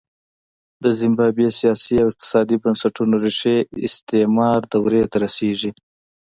د زیمبابوې سیاسي او اقتصادي بنسټونو ریښې استعمار دورې ته رسېږي.